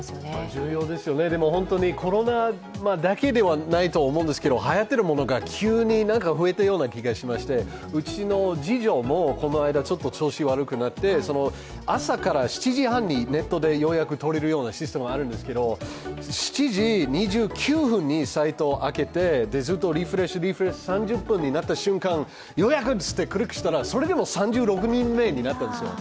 重要ですよね、コロナだけではないと思うんですけどはやっているものが急に増えたような気がしまして、うちの次女もこの間、ちょっと調子悪くなって朝から７時半にネットで予約取れるようなシステムがあるんですけど７時２９分にサイトを開けて、ずっとリプレイス、リプレイス、３０分になった瞬間、予約ってクリックしたらそれでも３６人目になったんですよ。